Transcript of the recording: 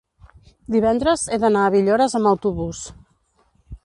Divendres he d'anar a Villores amb autobús.